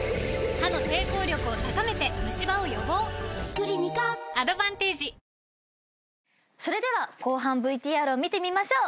クリニカアドバンテージそれでは後半ＶＴＲを見てみましょう。